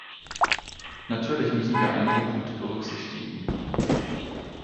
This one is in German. Natürlich müssen wir einige Punkte berücksichtigen.